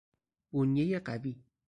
بنیهی قوی